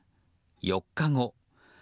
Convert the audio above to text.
４日後。